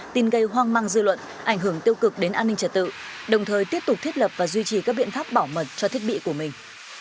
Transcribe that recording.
tin gây hoang mang dư luận ảnh hưởng tiêu cực đến an ninh trật tự đồng thời tiếp tục thiết lập và duy trì các biện pháp bảo mật cho thiết bị của mình